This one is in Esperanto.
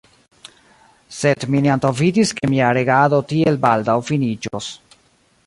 Sed mi ne antaŭvidis, ke mia regado tiel baldaŭ finiĝos.